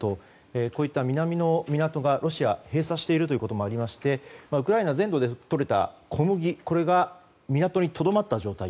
こういった南の港がロシアが閉鎖していることもあってウクライナ全土でとれた小麦が港にとどまった状態。